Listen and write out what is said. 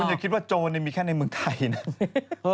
อย่าคิดว่าโจรมีแค่ในเมืองไทยนะ